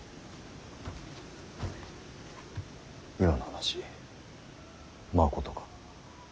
今の話まことか。